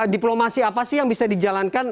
diplomasi apa sih yang bisa dijalankan